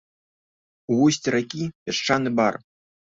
У вусці ракі пясчаны бар.